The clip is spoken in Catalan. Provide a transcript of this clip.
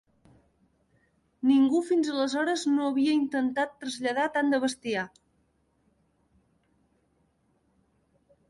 Ningú fins aleshores no havia intentat traslladar tant de bestiar.